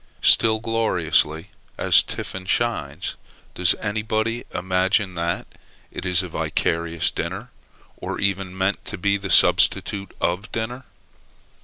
Still, gloriously as tiffin shines, does anybody imagine that it is a vicarious dinner, or ever meant to be the substitute of dinner?